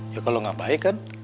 ya kalau nggak baik kan